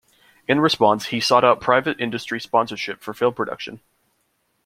In response, he sought out private industry sponsorship for film production.